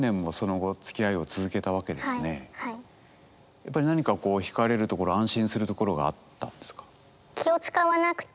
やっぱり何かこうひかれるところ安心するところがあったんですか？